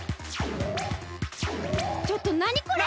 ちょっとなにこれ！？